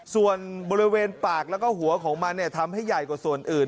ส่วนบริเวณปากแล้วก็หัวของมันทำให้ใหญ่กว่าส่วนอื่น